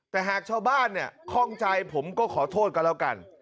แต่หากชาวบ้านเนี่ยคล่องใจผมก็ขอโทษกันแล้วกัน